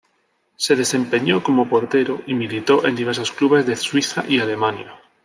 Se desempeñó como portero y militó en diversos clubes de Suiza y Alemania.